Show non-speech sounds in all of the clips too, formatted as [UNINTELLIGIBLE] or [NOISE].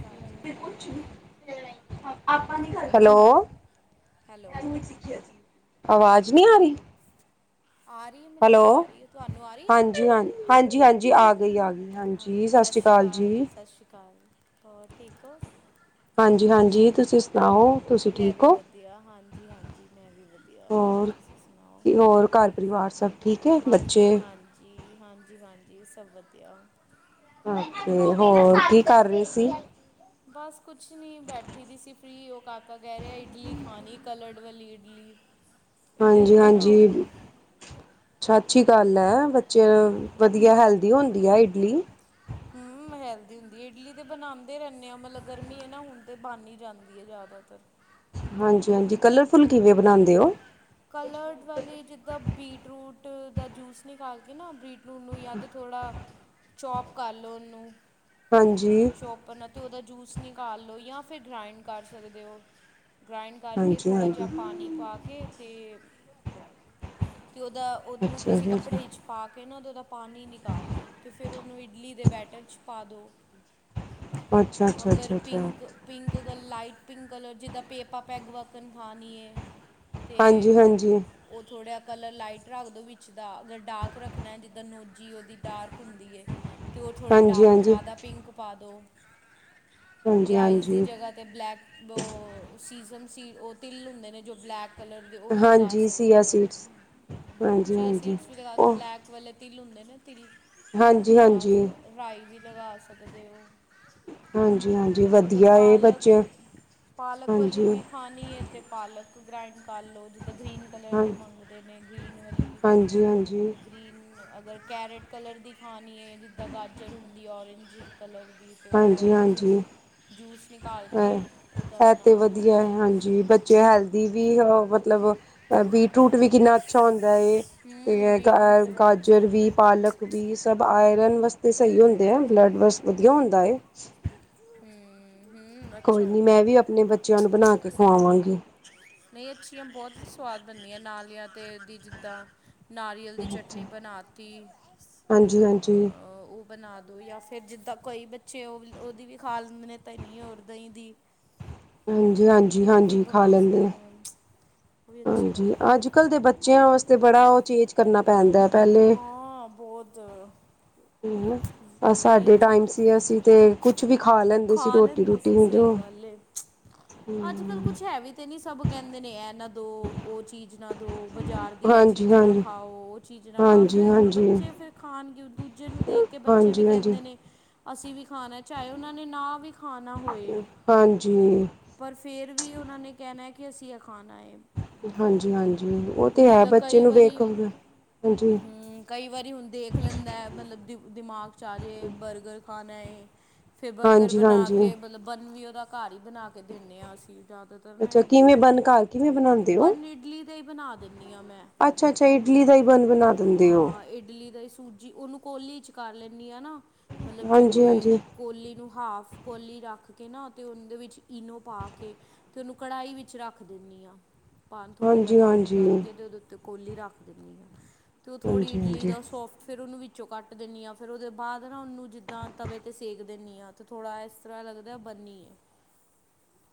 ਕਾਲ ਜੀ। Hello! Hello ਆਵਾਜ਼ ਨੀ ਆ ਰਹੀ? ਆ ਰਹੀ, ਮੈਨੂੰ ਤੇ ਆ ਹੈਲੋ ਰਹੀ ਏ, ਤੁਹਾਨੂੰ ਆ ਰਹੀ ਏ? ਹਾਂਜੀ ਹਾਂ ਹਾਂਜੀ ਹਾਂਜੀ ਆ ਗਈ, ਆ ਗਈ ਹਾਂਜੀ। ਸਸ ਸ਼੍ਰੀ ਕਾਲ ਜੀ। ਸਸ ਸ਼੍ਰੀ ਕਾਲ। ਹੋਰ, ਠੀਕ ਓ ਸ? ਹਾਂਜੀ ਹਾਂਜੀ। ਤੁਸੀਂ ਸੁਣਾਓ, ਤੁ ਮੈਂ ਵੀ ਵਧੀਆ, ਹਾਂਜੀ ਹਾਂਜੀ ਮੈਂ ਵੀ ਵਧੀਆ, ਹੋਰ ਤੁਸੀਂ ਸੁਣਾਓ। ਹੋਰ, ਘਰ-ਪਰਿਵਾਰ ਸਭ ਠੀਕ ਹੈ ਬੱਚੇ ਹਾਂਜੀ ਹਾਂਜੀ, ਹਾਂਜੀ ਹਾਂਜੀ, ਸਭ ਵਧੀਆ। ਓਹੋ ਹੋਰ ਕੀ ਕਰ ਹਾਂਜੀ ਰਹੇ ਸੀ? ਬਸ ਕੁਛ ਨਹੀ ਬੈਠੀ ਪੀ ਸੀ। ਨੀ ਏਹ ਕਾਕਾ ਕਹਿ ਰਿਹਾ, ਇਡਲੀ ਖਾਣੀ, ਕਲਰਡ ਵਾਲੀ ਇਡਲੀ। ਇਡਲੀ ਹਾਂਜੀ ਬਣਾਓ ਹਾਂਜੀ। ਛਛੀ ਗੱਲ ਐ, ਬੱਚੇ ਲਈ ਵਧੀਆ ਹੈਲਦੀ ਹੁੰਦੀ ਐ ਇਡਲੀ। ਹੂੰ ਨੀ ਹੈਲਦੀ ਹੁੰਦੀ ਹੈ ਇਡਲੀ ਤੇ ਬਣਾਦੇ ਰਹਿੰਦੇ ਆ ਮਤਲਬ, ਗਰਮੀ ਹੈ ਨਾ ਹੁਣ ਤੇ ਬਣ ਹੀ ਜਾਂਦੀ ਐ ਜ਼ਿਆਦਾਤਰ। ਹਾਂਜੀ, ਹਾਂਜੀ, ਕਲਰਫੁੱਲ ਕਿਵੇਂ ਬਣਾਦੇ ਓ? ਕਲਰਡ ਵਾਲੀ ਜਿੱਦਾਂ ਬੀਟਰੂਟ ਦਾ ਜੂਸ ਨਿਕਾਲ ਕੇ ਨਾ ਬੀਟ ਉਹਨੂੰ ਜਾਂ ਤਾਂ ਥੋੜ੍ਹਾ ਚੌਪ ਕਰ ਲਓ, ਉਨੂੰ ਹਾਂਜੀ। ਚੋਪਰ ਨਾਲ ਤੇ ਉਹਦਾ ਜੂਸ ਨਿਕਾਲ ਲਓ, ਜਾਂ ਫਿਰ ਗ੍ਰਾਈੰਡ ਕਰ ਸਕਦੇ ਓ। ਗ੍ਰਇੰਡ ਕਰਕੇ, ਹਾਂਜੀ ਥੋੜ੍ਹਾ ਜਿਹਾ ਹਾਂਜੀ ਪਾਣੀ ਪਾ ਕੇ ਫੇਰ ਤੇ ਉਹਦਾ ਉਹਨੂੰ ਅੱਛਾ ਕਿਸੇ ਜੀ ਅੱਛਾ ਕੱਪੜੇ 'ਚ ਪਾ ਕੇ ਨਾ ਉਹਦਾ ਪਾਣੀ ਨਿਕਾਲ ਲਉ, ਤੇ ਫਿਰ ਉਹਨੂੰ ਇਡਲੀ ਦੇ ਬੈਟਰ 'ਚ ਪਾ ਦਿਉ। ਅੱਛਾ ਅੱਛਾ ਅਗਰ ਅੱਛਾ ਅੱਛਾ pink pink colour, light pink colour, ਜਿੱਦਾਂ ਪੇਪਾਂ, ਪੈਗ ਵਰਕਨ ਖਾਣੀਏ। ਤੇ, ਹਾਂਜੀ ਹਾਂਜੀ ਉਹ ਥੋੜਾ ਕਲਰ ਲਾਈਟ ਰੱਖ ਦੋ ਵਿੱਚ ਦਾ ਅਗਰ ਡਾਰਕ ਰੱਖਣਾ, ਜਿੱਦਾਂ ਨੋਜੀ ਉਹਦੀ ਡਾਰਕ ਹੁੰਦੀ ਏ। ਤੇ ਉਹ ਥੋੜ੍ਹੇ ਹਾਂਜੀ ਹਾਂਜੀ ਡਾਰਕ ਹਾਂਜੀ ਜ਼ਿਆਦਾ ਪਿੰਕ ਪਾ ਦਿਉ, ਤੇ ਆਈਜ਼ ਦੀ ਹਾਂਜੀ ਜਗ੍ਹਾ ਤੇ ਬਲੈਕ ਬੋ ਸੀਜ਼ਮ ਸੀ-ਉਹ ਤਿਲ ਹੁੰਦੇ ਨੇ ਜੋ ਬਲੈਕ ਕਲਰ ਦੇ ਉਹ ਵੀ ਲਗਾ ਹਾਂਜੀ ਸਕਦੇ ਸੀਆ ਓ ਸੀਡਸ ਹੂੰ, ਹਾਂਜੀ ਚੀਅ ਹਾਂਜੀ ਸੀਡਸ ਵੀ ਲਗਾ ਦਿਓ। ਉਹ ਬਲੈਕ ਕ ਵੇਲੇ ਤਿਲ ਹੁੰਦੇ ਨਾ ਤਿਲ ਉਹ ਵੀ ਹਾਂਜੀ ਲਗਾ ਹਾਂਜੀ ਸਕ, ਰਾਈ ਵੀ ਲਗਾ ਸਕਦੇ ਓ। ਹਾਂਜੀ, ਹਾਂਜੀ ਵਧੀਆ ਏ। ਪਾਲਕ ਬੱਚੇ ਪਾਲਕ ਵਾਲੀ ਹਾਂਜੀ ਵੀ ਖਾਣੀ ਏ। ਤੇ ਪਾਲਕ ਗਰਾਇੰਡ ਕਰ ਲਓ, ਜਿੱਦਾਂ ਗ੍ਰੀਨ ਕਲਰ ਹਾਂ ਦੀ ਮੰਗਦੇ ਨੇ। ਗ੍ਰੀਨ ਗਰੀ ਹਾਂਜੀ ਹਾਂਜੀ ਤੇ ਗਰੀਨ ਅ ਅਗਰ ਕੈਰੇਟ ਕਲਰ ਦੀ ਖਾਣੀ ਹੈ, ਜਿੱਦਾਂ ਗਾਜਰ ਹੁੰਦੀ, ਔਰਂਜ ਕਲਰ ਦੀ। ਤੇ ਹਾਂਜੀ ਔਰਂਜ ਹਾਂਜੀ ਜੂਸ ਨਿਕਾਲ ਕੇ, ਉਹਦਾ ਇਹ ਬਣਾ-ਬਣਾ ਸਕਦੇ। ਦੀ ਵੀ ਮਤਲਬ, ਬੀਟ ਰੂਟ ਵੀ ਕਿੰਨਾ ਅੱਛਾ ਹੁੰਦਾ ਐ। ਹੂੰ ਤੇ ਗ ਬੀਟਰੂਟ ਤੇ ਬੜਾ ਅੱਛਾ ਗਾਜਰ ਵੀ, ਹੁੰਦਾ ਪਾਲਕ ਵੀ ਸਭ ਆਇਰਨ ਵਾਸਤੇ ਸਈ ਹੁੰਦੇ ਆ ਬਲੱਡ ਵਾਸਤੇ। ਵਧੀਆ ਹੁੰਦਾ ਏ, ਹੂੰ-ਹੂੰ, ਕੋਈ ਨੀ ਮੈਂ ਵੀ ਆਪਣੇ ਬੱਚਿਆਂ ਨੂੰ ਬਣਾ ਕੇ ਖਵਾਵਾਂਗੀ। ਨਈ ਅੱਛੀਆਂ ਬਹੁਤ ਸਵਾਦ ਬਣਦੀਆਂ ਨਾਲੀਆਂ ਤੇ ਉਹਦੀ ਜਿੱਦਾਂ ਨਾਰੀਅਲ ਦੀ ਅੱਛਾ। ਚਟਨੀ ਬਣਾ ਤੀ ਹਾਂਜੀ ਹਾਂਜੀ ਉਹ ਬਣਾ ਦਿਉ ਜਾਂ ਫਿਰ ਜਿੱਦਾਂ ਕੋਈ ਬੱਚੇ ਉਹ ਵੀ ਉਹਦੀ ਵੀ ਖਾ ਲੇਦੇ ਨੇ ਧਨੀ ਔਰ ਦਈ ਦੀ। ਉਹ ਵੀ ਹਾਂਜੀ-ਹਾਂਜੀ-ਹਾਂਜੀ ਖਾ ਬਣਾ ਲੈਂਦੇ ਐ। ਸਕਦੇ ਹਾਂ ਉਹ ਵੀ ਅੱਛੀ ਹਾਂਜੀ ਬਣਦੀ ਹੈ ਅੱਜ-ਕੱਲ੍ਹ ਦੇ ਬੱਚਿਆਂ ਵਾਸਤੇ ਬੜਾ ਉਹ ਚੇਂਜ ਕਰਨਾ ਪੈਂਦਾ। ਪਹਿਲੇ ਹਾਂ ਬੋਤ ਸਾਡੇ ਟਾਈਮ ਸੀ ਤੇ ਅਸੀਂ ਤੇ ਕੁਛ ਵੀ ਖਾ ਲੈਂਦੇ ਸੀ ਰੋਟੀ ਰੂਟੀ ਅਸੀ ਜੋ ਸਈ ਗੱਲ ਐ। ਅੱਜ ਕੱਲ ਕੁਛ ਹੈ ਵੀ ਤੇ ਨੀ ਸਭ ਕਹਿੰਦੇ ਨੇ ਇਹ ਨਾ ਦੋ ਉਹ ਚੀਜ਼ ਨਾ ਦੋ ਬਜਾਰ ਦੀ ਐ ਹਾਂਜੀ ਚੀਜ਼ ਨਾ ਹਾਂਜੀ ਖਾਓ ਉਹ ਚੀਜ਼ ਖਾਓ ਹਾਂਜੀ ਹਾਂਜੀ ਫਿਰ ਹਾਂਜੀ ਬੱਚੇ ਫੇਰ ਖਾਣ ਦੂਜੇ ਨੂੰ ਦੇਖ ਕੇ ਬੱਚੇ ਵੀ ਹਾਂਜੀ ਕਹਿੰਦੇ ਨੇ। ਅਸੀਂ ਵੀ ਖਾਣਾ ਚਾਏ ਉਹਨਾਂ ਨੇ ਨਾ ਵੀ ਖਾਣਾ ਹੋਏ। ਹਾਂਜੀ ਪਰ ਫਿਰ ਵੀ ਉਹਨਾਂ ਨੇ ਕਹਿਣਾ ਕਿ ਅਸੀਂ ਅ ਖਾਣਾ ਐ। ਹਾਂਜੀ ਹਾਂਜੀ ਉਹ ਤੇ ਹੈ ਬੱਚੇ ਨੂੰ ਵੇਖ ਹੂੰ, ਕਈ ਵਾਰੀ ਹੁਣ ਦੇਖ ਲੈਂਦਾ ਮਤਲਬ ਦਿ ਦਿਮਾਗ 'ਚ ਆ ਜਾਏ ਬਰਗਰ ਖਾਣਾ ਐ। ਫਿਰ ਬਰਗਰ ਹਾਂਜੀ ਬਣਾ ਹਾਂਜੀ ਕੇ ਮਤਲਬ ਬਨ ਵੀ ਉਹਦਾ ਘਰ ਈ ਬਣਾ ਕੇ ਦਿੰਦੇ ਆ ਅਸੀਂ ਜ਼ਿਆਦਾਤਰ ਨਾ ਅੱਛਾ ਇਹਨੂੰ, ਕਿਵੇਂ ਬਨ ਘਰ ਕਿਵੇਂ ਬਣਾਉਂਦੇ ਬਨ ਇਡਲੀ ਦਾ ਹੀ ਬਣਾ ਦਿੰਨੀ ਆ ਮੈਂ ਅੱਛਾ ਅੱਛਾ ਇਡਲੀ ਦਾ ਈ ਮੰਨ ਬਣ ਬਣਾ। ਹਾਂ ਇਡਲੀ ਦਾ ਈ ਸੂਜ ਜੀ ਉਹਨੂੰ ਕੋਲੀ 'ਚ ਕਰ ਲੈਂਨੀ ਆ ਨਾ ਮਤਲਬ ਜੇ ਕੋਈ ਹਾਂਜੀ-ਹਾਂਜੀ, ਕੋਲੀ ਨੂੰ ਹਾਫ ਕੋਲੀ ਰੱਖ ਕੇ ਨਾ ਅਤੇ ਉਹਦੇ ਵਿੱਚ ਈਨੋ ਪਾ ਕੇ, ਤੇ ਉਹਨੂੰ ਕੜਾਹੀ ਵਿੱਚ ਰੱਖ ਦਿੰਨੀ ਆ। ਪਾ ਥੋੜ੍ਹਾ ਜਿਹਾ ਪਾਣੀ ਹਾਂਜੀ-ਹਾਂਜੀ, ਕਰਕੇ ਤੇ ਉਹਦੇ ਉੱਤੇ ਕੋਲੀ ਰੱਖ ਦਿੰਦੀ ਆ ਤੇ ਉਹ ਥੋੜ੍ਹੀ ਇਡਲੀ ਹਾਂਜੀ-ਹਾਂਜੀ। ਦਾ ਸੋਫਟ ਫਿਰ ਉਹਨੂੰ ਵਿੱਚੋਂ ਕੱਟ ਦਿੰਨੀ ਆਫਿਰ ਉਹਦੇ ਬਾਅਦ ਨਾ ਉਹਨੂੰ ਜਿੱਦਾਂ ਤਵੇ ਤੇ ਸੇਕ ਦਿੰਨੀ ਆ। ਤੇ ਥੋੜ੍ਹਾ ਇਸ ਤਰ੍ਹਾਂ ਲਗਦਾ ਬਣੀ ਐ।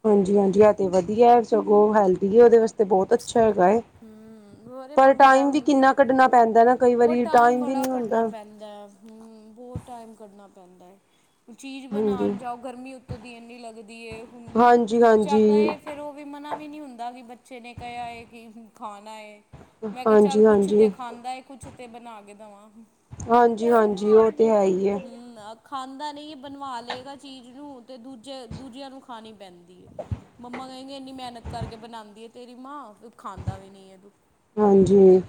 ਹਾਂਜੀ ਹਾਂਜੀ ਆ ਤੇ ਵਧੀਆ ਸਗੋਂ ਹੈਲਦੀ ਉਹਦੇ ਵਾਸਤੇ ਬੋਤ ਅੱਛਾ ਹੈਗਾ ਐ। ਹੂੰ ਅਰੇ ਪਰ ਮੰਗਦਾ ਟਾਈਮ ਵੀ ਉਹਨੂੰ ਕਿੰਨਾ ਕੱਢਣਾ ਪੈਂਦਾ ਨਾ ਕਈ ਵਾਰੀ ਟਾਈਮ ਵੀ ਨੀ ਹੁੰਦਾ। ਹੂੰ ਬੋਤ ਟਾਈਮ ਕੱਢਣਾ ਪੈਂਦਾ ਐ। ਚੀਜ਼ ਹਾਂਜੀ। ਬਣਾਉਣ ਜਾਓ ਗਰਮੀ ਉੱਤੋਂ ਦੇਣ ਨੀ ਲੱਗਦੀ ਐ ਹੁਣ ਬੱਚਾ ਹਾਂਜੀ-ਹਾਂਜੀ, ਕਏ ਫਿਰ ਉਹ ਵੀ ਮਨਾ ਵੀ ਨੀ ਹੁੰਦਾ ਕਿ ਬੱਚੇ ਨੇ ਕਿਆ ਐ ਕਿ ਖਾਣਾ ਐ। ਮੈਂ ਕਿਹਾ ਚੱਲ ਕੁਛ ਤੇ ਹਾਂਜੀ-ਹਾਂਜੀ। ਖਾਂਦਾ ਕੁਛ ਤੇ ਬਣਾ ਕੇ ਦਵਾਂ। ਹਾਂਜੀ ਹਾਂਜੀ ਉਹ ਤੇ ਹੈ ਈ ਐ। ਹਮ ਖਾਂਦਾ ਨੀ ਬਣਵਾ ਲਏਗਾ ਚੀਜ਼ ਨੂੰ ਤੇ ਦੂਜੇ ਦੂਜਿਆਂ ਨੂੰ ਖਾਣੀ ਪੈਂਦੀ ਐ। ਮੰਮਾ ਕਹਿੰਦੀ ਇੰਨੀ ਮਿਹਨਤ ਕਰਕੇ ਬਣਾਦੀ ਆ ਤੇਰੀ ਮਾਂ ਤੂੰ ਖਾਂਦਾ ਵੀ ਨੀ ਹਾਂਜੀ,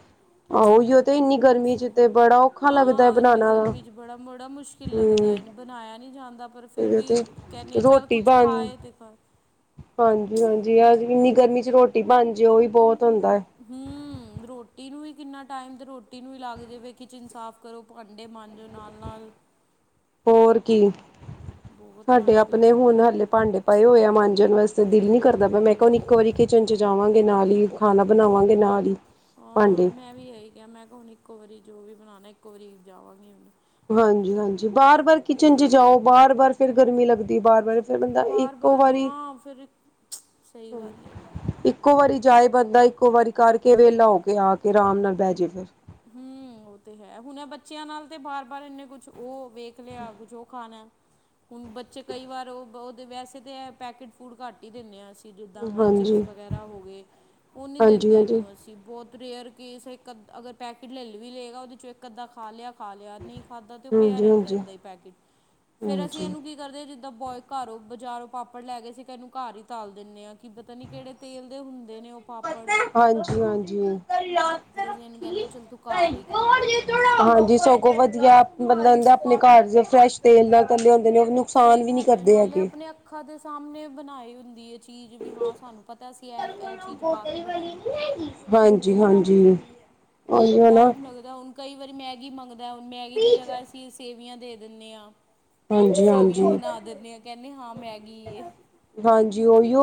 ਆਹ ਉਹੀਓ ਤੇ ਇੰਨੀ ਗਰਮੀ ਬਸ ਚ ਤੇ ਬੜਾ ਔਖਾ ਲੱਗਦਾ ਹਾਂ ਇੰਨੀ ਬਣਾਣਾ ਦਾ ਗਰਮੀ 'ਚ ਬੜਾ ਬੜਾ ਮੁਸ਼ਕਿਲ ਲੱਗਦਾ ਹੂੰ, ਹੈ ਬਣਾਇਆ ਨੀ ਜਾਂਦਾ ਪਰ ਫਿਰ ਓਈਓ ਵੀ ਤੇ ਕਹਿੰਨੀ ਆ ਚੱਲ ਕੁਛ ਖਾਏ ਤੇ ਫਿਰ ਹਾਂਜੀ ਹਾਂਜੀ ਇੰਨੀ ਗਰਮੀ ਚ ਰੋਟੀ ਬਣ ਜੇ ਉਹ ਵੀ ਬੋਤ ਹੁੰਦਾ। ਹੂੰ ਰੋਟੀ ਨੂੰ ਵੀ ਕਿੰਨਾ ਟਾਈਮ ਤੇ ਰੋਟੀ ਨੂੰ ਈ ਲੱਗ ਜਾਵੇ ਕਿਚਨ ਸਾਫ਼ ਕਰੋ ਭਾਂਡੇ ਮਾਂਜੋ ਨਾਲ ਨਾਲ ਹੋਰ ਕੀ ਬਹੁਤ ਸਾਡੇ ਟਾਈਮ ਹੈ ਆਪਣੇ ਹੁਨ ਹਲੇੇ ਭਾਂਡੇ ਪਾਏ ਹੋਏ ਆ ਮਾਂਜਣ ਵਾਸਤੇ ਦਿਲ ਨੀ ਕਰ ਮੈਂ ਹੂੰ ਕਿਹਾ ਇੱਕ ਵਾਰੀ ਕਿਚਨ ਚ ਜਾਵਾਂਗੇ ਨਾਲ ਹੀ ਖਾਣਾ ਬਣਾਵਾਂਗੇ ਨਾਲ ਹੀ ਹਾਂ ਭਾਂਡੇ ਮੈਂ ਵੀ ਇਹੀ ਕਿਹਾ ਮੈਂ ਕਿਹਾ ਹੁਣ ਇੱਕੋ ਵਾਰੀ ਜੋ ਵੀ ਬਣਾਉਣਾ ਇੱਕੋ ਵਾਰੀ ਜਾਵਾਂਗੀ ਹੁਣ ਹਾਂਜੀ ਹਾਂਜੀ ਬਾਰ ਬਾਰ ਕਿਚਨ ਚ ਜਾਓ ਬਾਰ ਬਾਰ ਫਿਰ ਗਰਮੀ ਲੱਗਦੀ ਬਾਰ ਬਾਰ ਫਿਰ ਬੰਦਾ ਬਾਰ ਇੱਕੋ ਬਾਰ ਵਾਰੀ ਹਾਂ ਫਿਰ ਸਹੀ ਗੱਲ ਹੈ ਇੱਕੋ ਵਾਰੀ ਜਾਏ ਬੰਦਾ ਇੱਕੋ ਵਾਰੀ ਕਰਕੇ ਵਿਹਲਾ ਹੋ ਕੇ ਆਕੇ ਆਰਾਮ ਨਾਲ ਬਹਿ ਜੇ ਫਿਰ ਹਮ ਉਹ ਤੇ ਹੈ ਹੁਣ ਬੱਚਿਆਂ ਨਾਲ ਤੇ ਬਾਰ ਬਾਰ ਇੰਨੇ ਕੁਛ ਉਹ ਵੇਖ ਲਿਆ ਕੁਛ ਉਹ ਖਾਣਾ ਹੁਣ ਬੱਚੇ ਕਈ ਵਾਰ ਉਹ ਉਹਦੇ ਵੈਸੇ ਤਾਂ ਇਹ ਪੈਕੇਟ ਫੂਡ ਘੱਟ ਹੀ ਦਿੰਦੇ ਆ ਅਸੀਂ ਜਿੱਦਾਂ ਉਹ ਹਾਂਜੀ-ਹਾਂਜੀ-ਹਾਂਜੀ, ਚਿਪਸ ਵਗੈਰਾ ਹੋ ਗਏ ਉਹ ਨਹੀਂ ਦਿੰਦੇ ਹਾਂਜੀ-ਹਾਂਜੀ, ਇਹਨੂੰ ਅਸੀਂ ਬਹੁਤ ਰੇਅਰ ਕੇਸ ਇੱਕ ਅ ਅਗਰ ਪੈਕਟ ਲੈ ਵੀ ਲਏਗਾ ਉਹਦੇ ਚੋਂ ਇੱਕ ਅੱਧਾ ਖਾ ਲਿਆ ਖਾ ਲਿਆ ਨਹੀਂ ਖਾਧਾ ਤੇ ਉਹ ਪਿਆ ਰਹਿੰਦਾ ਹਾਂਜੀ। ਹਾਂਜੀ ਏਦਾਂ ਹੀ ਪੈਕੇਟ ਫੇਰ ਅਸੀਂ ਹਾਂਜੀ ਹਾਂਜੀ ਇਹਨੂੰ ਕਰਦੇ ਹਾਂ ਜਿੱਦਾਂ ਬੋਏ ਘਰੋਂ ਬਾਜ਼ਾਰੋਂ ਪਾਪੜ ਲੈ ਗਏ ਸੀ ਇਹਨੂੰ ਘਰ ਹੀ ਤਲ ਦਿੰਨਦੇ ਹਾਂ ਕੀ ਪਤਾ ਨੀ ਕਿਹੜੇ ਤੇਲ ਦੇ ਹੁੰਦੇ ਨੇ ਉਹ ਪਾਪੜ ਹਾਂਜੀ ਹਾਂਜੀ ਫਿਰ ਅਸੀਂ ਇਹਨੂੰ ਕਹਿੰਦੇ ਚਲ ਤੂੰ ਘਰ ਹੀ ਖਾ ਤੂੰ ਬਣਾ ਹਾਂਜੀ ਕੇ ਸਗੋਂ ਵਧੀਆ ਬੰਦਾ ਕਹਿੰਦਾ ਆਪਣੇ ਘਰ ਫਰੈਸ਼ ਤੇਲ ਨਾਲ ਤਲੇ ਹੁੰਦੇ ਨੇ ਉਹ ਨੁਕਸਾਨ ਸਹੀ ਵੀ ਨੀ ਗੱਲ ਹੈ ਕਰਦੇ ਨਾਲੇ ਹੈਗੇ ਆਪਣੇ ਅੱਖਾਂ ਦੇ ਸਾਹਮਣੇ ਬਣਾਈ ਹੁੰਦੀ ਇਹ ਚੀਜ਼ ਵੀ ਹਾਂ ਸਾਨੂੰ ਪਤਾ ਅਸੀ ਇਹ ਇਹ ਚੀਜ਼ ਪਾ ਕੇ ਬਣਾਈ ਹਾਂਜੀ ਹਾਂਜੀ ਉਹੀਓ ਨਾ ਟਾਈਮ ਲੱਗਦਾ ਹੁਣ ਕਈ ਵਾਰੀ ਮੈਗੀ ਮੰਗਦਾ ਹੁਣ ਮੈਗੀ ਦੀ ਜਗਾ ਅਸੀਂ ਸੇਵੀਆਂ ਦੇ ਦਿੰਦੇ ਹਾਂ ਹਾਂਜੀ ਸੇਵੀਆਂ ਹਾਂਜੀ ਬਨਾ ਦਿੰਦੇ ਹਾਂ ਕਹਿੰਦੇ ਹਾਂ ਮੈਗੀ ਹੈ ਹਾਂਜੀ ਉਹੀਓ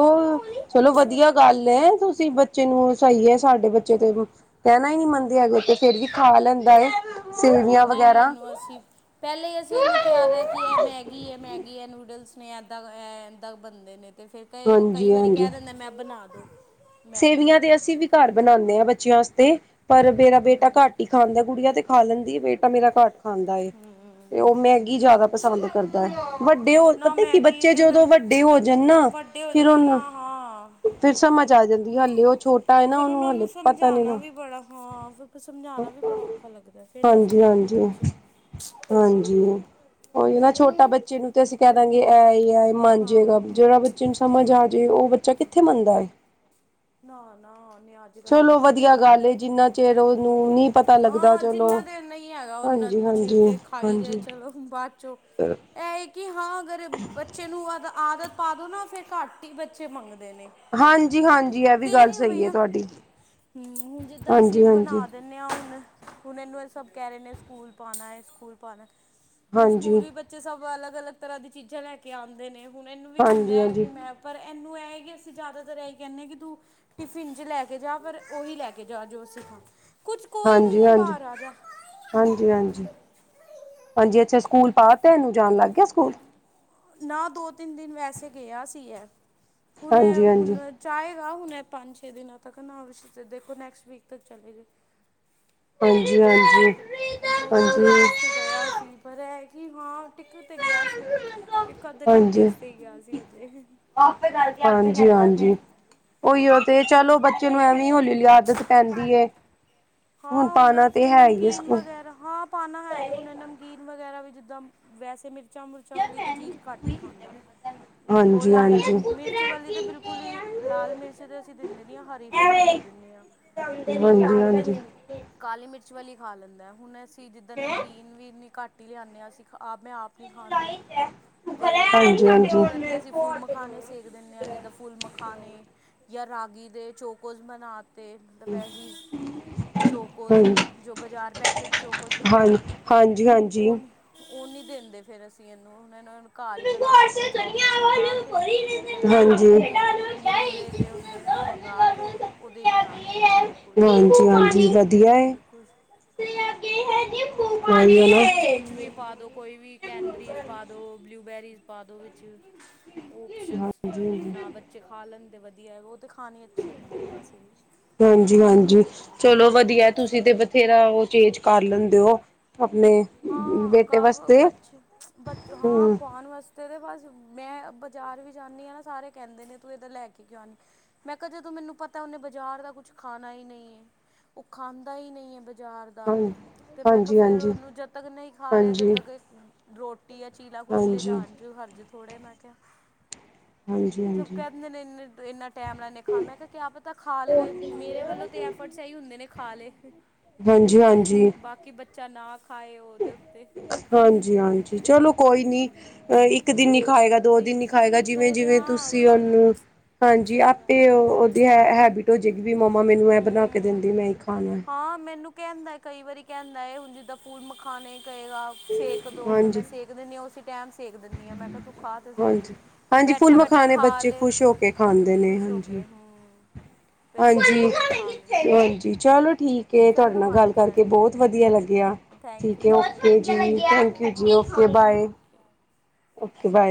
ਚਲੋ ਵਧੀਆ ਗੱਲ ਹੈ ਤੁਸੀਂ ਬੱਚੇ ਨੂੰ ਸਹੀ ਹੈ ਸਾਡੇ ਬੱਚੇ ਤੇ ਕਹਿਣਾ ਹੀ ਨੀ ਮੰਨਦੇ ਅਗੇ ਤੇ ਫੇਰ ਵੀ ਖਾ ਲੈਂਦਾ ਏ ਹਾਂ ਨਹੀਂ ਇਹਨੂੰ ਅਸੀਂ ਪਹਿਲਾਂ ਹੀ ਅਸੀਂ ਇਹਨੂੰ ਕਿਹਾ ਦਾ ਹੈ ਕਿ ਇਹ ਮੈਗੀ ਹੈ ਮੈਗੀ ਹੈ ਨੂਡਲਸ ਨੇ ਇੱਦਾਂ ਇੱਦਾਂ ਬਣਦੇ ਨੇ ਤੇ ਫਿਰ ਕਏਗਾ ਕਈ ਹਾਂਜੀ ਵਾਰੀ ਹਾਂਜੀ ਕਹਿ ਦਿੰਦਾ ਮੈਂ ਬਣਾਦੋ ਸੇਵੀਆਂ ਤੇ ਅਸੀਂ ਵੀ ਘਰ ਬਣਾਉਂਦੇ ਹਾਂ ਬੱਚਿਆਂ ਵਾਸਤੇ ਪਰ ਮੇਰਾ ਬੇਟਾ ਘੱਟ ਹੀ ਖਾਂਦਾ ਗੁੜੀਆ ਤੇ ਖਾ ਲੈਂਦੀ ਏ ਬੇਟਾ ਮੇਰਾ ਘੱਟ ਖਾਂਦਾ ਏ ਤੇ ਉਹ ਮੈਗੀ ਜ਼ਿਆਦਾ ਅੱਛਾ ਪਸੰਦ ਕਰਦਾ ਹੈ ਵੱਡੇ ਉਹ ਨਾ ਪਤਾ ਕੀ ਮੈਗੀ ਬੱਚੇ ਤੇ ਮੈਂ ਜਦੋਂ ਵੱਡੇ ਵੱਡੇ ਹੋ ਜਾਣ ਨਾ ਵੱਡੇ ਹੋ ਫਿਰ ਜਾਂਦਾ ਨਾ ਉਹਨੂੰ ਹਾਂ ਫਿਰ ਸਮਝ ਆ ਜਾਂਦੀ ਹਾਲੀ ਉਹ ਛੋਟੇ ਫਿਰ ਉਹਨਾਂ ਨੂੰ ਸਮਝਾਉਣਾ ਵੀ ਬੜਾ ਹਾਂ ਫਿਰ ਸਮਝਾਉਣਾ ਵੀ ਬੜਾ ਔਖਾ ਲੱਗਦਾ ਫਿਰ ਨਹੀਂ ਸਮਝਦੇ ਹਾਂਜੀ-ਹਾਂਜੀ, ਬੱਚੇ ਹਾਂਜੀ। ਹਾਂਜੀ ਉਹੀ ਨਾ ਛੋਟਾ ਬੱਚੇ ਨੂੰ ਤੇ ਅਸੀਂ ਕਹਿ ਦਾਂਗੇ ਐ ਹੀ ਐ ਮੰਨ ਹਾਂ ਜਾਏਗਾ ਹਾਂ ਜਿਹੜਾ ਬੱਚੇ ਨੂੰ ਸਮਝ ਆ ਜਾਵੇ ਉਹ ਬੱਚਾ ਕਿੱਥੇ ਮੰਨਦਾ ਹੈ ਨਾ ਨਾ ਨਿਆਜ ਚਲੋ ਵਧੀਆ ਗੱਲ ਏ ਜਿੰਨਾ ਚਿਰ ਉਹਨੂੰ ਨੀ ਪਤਾ ਲੱਗਦਾ ਹਾਂ ਜਿੰਨਾ ਚਲੋ ਦੇਰ ਨਹੀਂ ਹੈਗਾ ਓਨਾ ਹਾਂਜੀ ਚਿਰ ਹਾਂਜੀ ਤੇ ਖਾਈ ਜਾਏ ਚਲੋ ਬਾਅਦ ਚੋਂ ਫਿਰ ਇਹ ਕਿ ਹਾਂ ਅਗਰ ਬੱਚੇ ਨੂੰ ਆਦ ਆਦਤ ਪਾ ਦਿਉ ਨਾ ਫਿਰ ਘੱਟ ਹੀ ਬੱਚੇ ਮੰਗਦੇ ਨੇ ਹਾਂਜੀ ਹਾਂਜੀ ਇਹ ਵੀ ਦੇ ਗੱਲ ਰਹੀ ਹੂੰ ਸਹੀ ਹੈ ਭਈਆ ਤੁਹਾਡੀ ਹਮ ਜਿੱਦਾਂ ਅਸੀਂ ਹਾਂਜੀ ਬਣਾ ਹਾਂਜੀ ਇੰਨੇ ਆ ਹੁਣ ਹੁਣ ਇਹਨੂੰ ਇਹ ਸਭ ਕਹਿ ਰਹੇ ਨੇ ਸਕੂਲ ਪਾਉਣਾ ਹੈ ਸਕੂਲ ਪਾਉਣਾ ਹੁਣ ਹਾਂਜੀ ਸਕੂਲ ਵੀ ਬੱਚੇ ਸਭ ਅਲੱਗ ਅਲੱਗ ਤਰ੍ਹਾਂ ਦੀ ਚੀਜ਼ਾਂ ਲੈ ਕੇ ਆਉਂਦੇ ਨੇ ਹੁਣ ਇਹਨੂੰ ਵੀ ਹੁੰਦਾ ਹਾਂਜੀ ਹਾਂਜੀ ਹੈ ਕਿ ਹਾਂਜੀ ਮੈਂ ਪਰ ਇਹਨੂੰ ਇਹ ਕਿ ਅਸੀਂ ਜ਼ਿਆਦਾਤਰ ਇਹੀ ਕਹਿੰਦੇ ਹਾਂ ਕਿ ਤੂੰ ਟਿਫਨ 'ਚ ਲੈ ਕੇ ਜਾ ਪਰ ਉਹੀ ਲੈ ਕੇ ਜਾ ਜੋ ਅਸੀਂ ਖਾਂ ਕੁਝ ਕੋਈ ਹਾਂਜੀ ਨਹੀਂ ਹੈ ਹਾਂਜੀ ਬਾਹਰ ਆ ਜਾ ਹਾਂਜੀ ਹਾਂਜੀ ਹਾਂਜੀ ਅੱਛਾ ਸਕੂਲ ਪਾ ਤੇ ਨ ਜਾਣ ਲੱਗ ਗਿਆ ਸਕੂਲ ਨਾ ਦੋ ਤਿੰਨ ਦਿਨ ਵੈਸੇ ਗਿਆ ਸੀ ਹੈ ਹੁਣੇ ਹਾਂਜੀ ਹਾਂਜੀ ਹੁਣ ਚਾਹੇਗਾ ਹੁਣ ਪੰਜ ਛੇ ਦਿਨਾਂ ਤੱਕ ਨਾ ਵਿਸ਼ ਦੇਖੋ ਨੈਕਸਟ ਵੀਕ ਤੱਕ ਚਲੇ ਗਈ ਹਾਂਜੀ ਹਾਂਜੀ ਦੋ ਤਿੰਨ ਹਾਂਜੀ ਦਿਨ ਵਾਸਤੇ ਗਿਆ ਸੀ ਪਰ ਇਹ ਕਿ ਹਾਂ ਟਿਕ ਤੇ ਗਿਆ ਸੀ। ਇੱਕ ਅੱਧੇ ਘੰਟੇ ਹਾਂਜੀ ਵਾਸਤੇ ਹੀ ਗਿਆ ਸੀ ਹਜੇ [UNINTELLIGIBLE] ਹਾਂਜੀ ਹਾਂਜੀ ਉਹੀਓ ਤੇ ਹੁਣ ਚਲੋ ਬੱ [UNINTELLIGIBLE] ਐਵੇਂ ਹੁੰਦੀ ਆਦਤ ਪੈਂਦੀ ਐ ਹਾਂ ਹੁਣ ਅਸੀਂ ਨਮਕੀਨ ਵਗੈਰਾ ਹਾਂ ਪਾਣਾ ਹੈ ਹੁਣ ਨਮਕੀਨ ਵਗੈਰਾ ਵੀ ਜਿੱਦਾਂ ਵੈਸੇ ਮਿਰਚਾਂ ਮਿਰਚਾਂ ਵਾਲੀ ਤਾਂ ਚੀਜ਼ ਘੱਟ ਹੀ ਖਾਂਦਾ ਉਹ ਹਾਂਜੀ ਲਾਈਟ ਹਾਂਜੀ। ਹਾਂਜੀ ਮਿਰਚ ਵਾਲੀ ਤੇ ਹਾਂਜੀ। ਬਿਲਕੁਲ ਹੀ ਲਾਲ ਮਿਰਚ ਤੇ ਅਸੀਂ ਦਿੰਦੇ ਨੀ ਹਰੀ ਫਿਰ ਵੀ ਦੇ ਦਿੰਦੇ ਹਾਂ। ਹੋਰ ਹਾਂਜੀ ਉਹ ਹਾਂਜੀ ਕਾਲੀ ਮਿਰਚ ਵਾਲੀ ਖਾ ਲੈਂਦਾ ਹੁਣ ਅਸੀਂ ਜਿੱਦਾਂ ਨਮਕੀਨ ਵੀ ਇੰਨੀ ਘੱਟ ਹੀ ਲਿਆਉਂਦੇ ਹਾਂ ਅਸੀਂ ਆਪ ਮੈਂ ਆਪ ਖਾਂਦੀ ਤੇ ਹੁਣ ਹਾਂਜੀ ਇਹਨੂੰ ਹਾਂਜੀ। ਕੀ ਕਰਨੇ ਅਸੀਂ ਫੁੱਲ ਖਾਣੇ ਸੇਕ ਦਿੰਦੇ ਹਾਂ ਜਿੱਦਾਂ ਫੁੱਲ ਮਖਾਨਣੇ ਜਾਂ ਰਾਗੀ ਦੇ ਚੌਕੋਸ ਬਣਾ ਤੇ ਦੁਪਹਿਰੇ ਹੀ ਚੌਕੋਸ ਹਾਂਜੀ। ਜੋ ਬਜ਼ਾਰ ਪੈਕੇਟ ਚੋਕੋਸ ਮਿਲਦੇ ਨੇ ਹਾਂਜੀ ਉਨ ਉਹ ਨੀ ਦਿੰਦੇ ਫਿਰ ਅਸੀਂ ਇਹਨੂੰ ਘਰ ਹੀ ਬਣਾ ਦਿੰਦੇ ਹਾਂ ਚੋਕਲੇਟ ਮੰਗ ਕੇ ਰਾਗੀ ਦੇ ਮੁਰਮੁਰੇ ਜੇ ਹੁੰਦੇ ਨੇ ਉਹ ਮੰਗਾਵਾ ਕੇ ਉਹਦੇ ਹੀ ਬਣਾ ਦਿੰਦੇ ਹਾਂ ਚੋਕਸ ਹਾਂਜੀ ਹਾਂਜੀ ਵਧੀਆ ਹੈ। [UNINTELLIGIBLE] ਕੁਛ ਵੀ ਪਾ ਦੋ ਕੋਈ ਵੀ ਕੈਨਬਰੀਜ਼ ਪਾ ਦੋ ਬਲੂਬੇਰੀਜ਼ ਪਾ ਦੋ ਵਿੱਚ ਆਪਸ਼ਨ ਨੇ ਹਾਂਜੀ। ਨਾ ਬੱਚੇ ਖਾ ਲੈਂਦੇ ਵਧੀਆ ਉਹ ਤੇ ਖਾਣੇ ਨੀ ਵੈਸੇ ਵੀ ਹਾਂਜੀ ਹਾਂਜੀ ਚਲੋ ਵਧੀਆ ਤੁਸੀਂ ਤੇ ਬਥੇਰਾ ਉਹ ਚੇਂਜ ਕਰ ਲੈਂਦੇ ਹੋ ਆਪਣੇ ਹਾਂ ਕ ਬੇਟੇ ਵਾਸਤੇ ਬੱਚ ਬੱਚ ਹਾਂ ਹਮ ਖਵਾਣ ਵਾਸਤੇ ਤੇਦੇ ਬਸ ਮੈਂ ਬਾਜ਼ਾਰ ਵੀ ਜਾਂਦੀ ਹਾਂ ਨਾ ਸਾਰੇ ਕਹਿੰਦੇ ਨੇ ਤੂੰ ਇਧਰ ਲੈ ਕੇ ਕਿਉਂ ਨੀ ਮੈਂ ਕਿਹਾ ਜਦੋਂ ਮੈਨੂੰ ਪਤਾ ਉਹਨੇ ਬਾਜ਼ਾਰ ਦਾ ਕੁਛ ਖਾਣਾ ਹੀ ਨਹੀਂ ਹੈ। ਉਹ ਖਾਂਦਾ ਹੀ ਨਹੀਂ ਹੈ ਬਜ਼ਾਰ ਹਾਂ ਦਾ ਤੇ ਮੈਂ ਕਿਹਾ ਹਾਂਜੀ ਫਿਰ ਹਾਂਜੀ ਉਹਨੂੰ ਜ ਜਦ ਤੱਕ ਨਹੀਂ ਖਾ ਰਿਹਾ ਜਦ ਹਾਂਜੀ ਤੱਕ ਰੋਟੀ ਜਾਂ ਚੀਲਾ ਕੁਛ ਹਾਂਜੀ ਹਾਂਜੀ ਲਿਜਣ ਹਰਜ ਥੋੜੇ ਮੈਂ ਕਿਹਾ ਹਾਂਜੀ ਸਭ ਹਾਂਜੀ ਕਹਿ ਦਿੰਦੇ ਨੇ ਇੰਨੇ ਇੰਨਾ ਟਾਈਮ ਲਾਦੇ ਖਾ ਮੈਂ ਕਿਹਾ ਕਿਆ ਪਤਾ ਖਾ ਲਵੇ ਮੇਰੇ ਵੱਲੋਂ ਤੇ ਐਫਰਟ ਸਹੀ ਹੁੰਦੇ ਨੇ ਖਾ ਲਏ ਹਾਂਜੀ ਹਾਂਜੀ ਕਿ ਬੱਚਾ ਨਾ ਖਾਏ ਉਹਦੇ ਉੱਤੇ ਹਾਂਜੀ ਹਾਂਜੀ ਚਲੋ ਕੋਈ ਨੀ ਹੂੰ ਅ ਇੱਕ ਇੱਕ ਦਿਨ ਨੀ ਖਾਏਗਾ ਦੋ ਦਿਨ ਨੀ ਧੀਰੇ ਖਾਏਗਾ ਜਿਵੇਂ ਦੋ ਦੇ ਜਿਵੇਂ ਹਾਂ ਤੁਸੀਂ ਖਾਣਾ ਉਹਨੂੰ ਹਾਂਜੀ ਸਹੀ ਗੱਲ ਆਪੇ ਉਹ ਤੇ ਹੈ ਹੈਬਿਟ ਹੋ ਜਾਵੇਗੀ ਵੀ ਮੰਮਾ ਮੈਨੂੰ ਐਂ ਬਣਾ ਕੇ ਹੂੰ ਦਿੰਦੀ ਮੈਂ ਹੀ ਖਾਣਾ ਹਾਂ ਮੈਨੂੰ ਕਹਿੰਦਾ ਕਈ ਵਾਰੀ ਕਹਿੰਦਾ ਏ ਹੁਣ ਜਿੱਦਾਂ ਫੁੱਲ ਮਖਾਣੇ ਕ ਦਾ ਸੇਕ ਦੋ ਫਿਰ ਮੈਂ ਹਾਂਜੀ ਸੇਕ ਉਸੀ ਟਾਈਮ ਸੇਕ ਦਿੰਦੀ ਹਾਂ ਮੈਂ ਕੇ ਤੂੰ ਖਾ ਤੇ ਸਹੀ ਹਾਂਜੀ ਫਿਰ ਹਾਂਜੀ ਫੁੱਲ ਬੈਠਾ ਬੈਠਾ ਮਖਾਣੇ ਖਾ ਬੱਚੇ ਲੈ ਖੁਸ਼ ਹੋ ਕੇ ਖਾਂਦੇ ਨੇ ਖੁਸ਼ ਹੋ ਕੇ ਹਾਂਜੀ ਹੂੰ ਵੈਸੇ ਹਾਂਜੀ, ਕੇ ਖਾ ਲੈਂਦੈ ਹਾਂਜੀ ਚਲੋ ਠੀਕੇ ਤੁਆਡੇ ਨਾਲ ਗੱਲ ਕਰਕੇ ਹਾਂਜੀ ਬੋਤ ਵਧੀਆ ਲੱਗੇਆ। ਥੈਂਕ ਯੂ ਠੀਕੇ ਜੀ ਔਕੇ ਥੈਂਕ ਜੀ, ਯੂ ਓਕੇ ਥੈਂਕ ਯੂ ਜੀ, okay okay bye, okay okay bye.